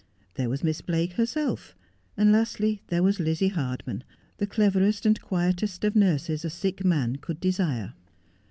There was Miss Blake herself ; and lastly there was Lizzie Hardman, the cleverest and quietest of nurses a sick man could desire.